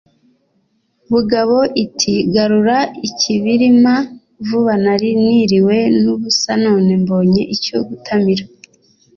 bugabo iti garura ikibirima vuba nari niriwe n’ubusa none mbonye icyo gutamira